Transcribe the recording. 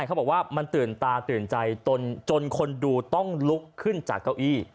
เขาบอกว่ามันตื่นตาตื่นใจจนคนดูต้องลุกขึ้นจากเก้าอี้